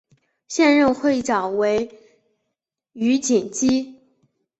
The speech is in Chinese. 现任会长为余锦基。